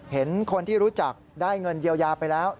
เห็นคนที่รู้จักได้เงินเยียวยาไปแล้ว